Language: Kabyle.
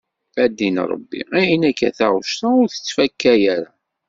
A ddin Ṛebbi ayen akka taɣect-a ur tettfakka ara.